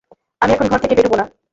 আমি এখন ঘর থেকে বেরুব না।